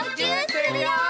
するよ！